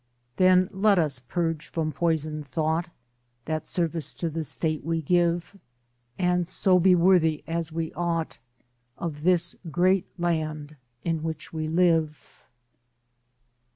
Then let us purge from poisoned thought That service to the state we give, And so be worthy as we ought Of this great land in which we live!